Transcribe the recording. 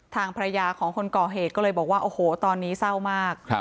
ทางภรรยาของคนก่อเหตุก็เลยบอกว่าโอ้โหตอนนี้เศร้ามาก